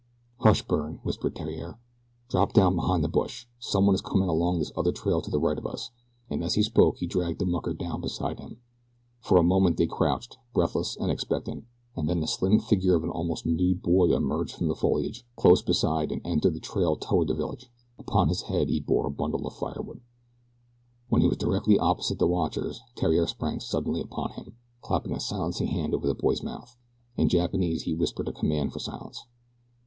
"Hush, Byrne," whispered Theriere. "Drop down behind this bush. Someone is coming along this other trail to the right of us," and as he spoke he dragged the mucker down beside him. For a moment they crouched, breathless and expectant, and then the slim figure of an almost nude boy emerged from the foliage close beside and entered the trail toward the village. Upon his head he bore a bundle of firewood. When he was directly opposite the watchers Theriere sprang suddenly upon him, clapping a silencing hand over the boy's mouth. In Japanese he whispered a command for silence.